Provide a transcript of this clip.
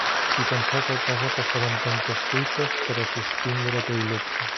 I pensar que a casa passaven tantes cuites per a sostindre aquell luxe!